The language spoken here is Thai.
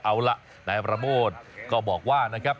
เอาล่ะนายประโมทก็บอกว่านะครับ